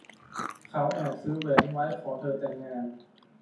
เขาแอบซื้อแหวนไว้ขอเธอแต่งงาน